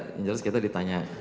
yang jelas kita ditanya